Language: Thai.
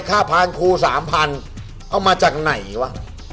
ถ้าผ่านครูสามพันเอามาจากไหนวะ